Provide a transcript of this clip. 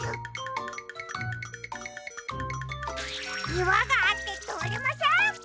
いわがあってとおれません。